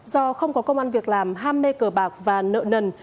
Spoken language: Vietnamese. do không có công an việc làm ham mê cờ bạc và nợ nần